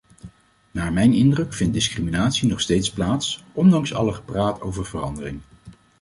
Naar mijn indruk vindt discriminatie nog steeds plaats, ondanks alle gepraat over verandering.